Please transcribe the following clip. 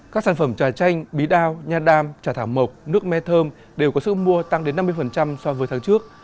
các sản phẩm trà chanh bí đao nha đam trà thảo mộc nước me thơm đều có sức mua tăng đến năm mươi so với tháng trước